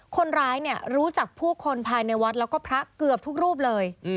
คนร้ายเนี่ยรู้จักผู้คนภายในวัดแล้วก็พระเกือบทุกรูปเลย